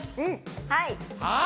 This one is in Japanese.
はい。